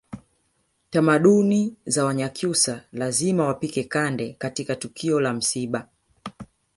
Tamaduni za Wanyakyusa lazima wapike kande katika tukio la msiba